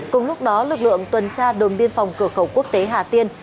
cùng lúc đó lực lượng tuần tra đồn biên phòng cửa khẩu quốc tế hà tiên